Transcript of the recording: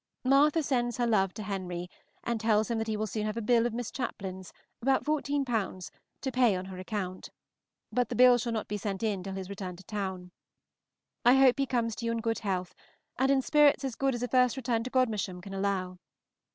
Martha sends her love to Henry, and tells him that he will soon have a bill of Miss Chaplin's, about 14_l._, to pay on her account; but the bill shall not be sent in till his return to town. I hope he comes to you in good health, and in spirits as good as a first return to Godmersham can allow.